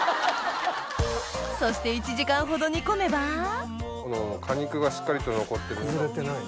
そして１時間ほど煮込めば果肉がしっかりと残ってる。